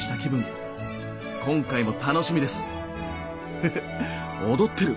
フフ踊ってる。